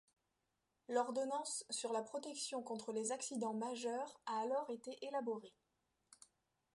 L'ordonnance sur la protection contre les accidents majeurs a alors été élaborée.